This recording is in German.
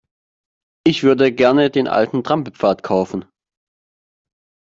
Ich würde gerne den alten Trampelpfad kaufen.